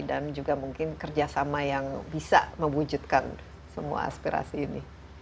dan juga mungkin kerjasama yang bisa mewujudkan semua aspirasi ini